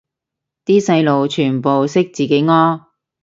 啲細路全部識自己屙